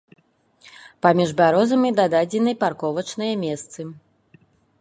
Паміж бярозамі дададзены парковачныя месцы.